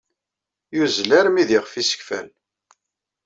Yuzzel armi d ixef isekfal.